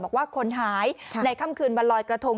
บอกว่าคนหายในค่ำคืนวันลอยกระทง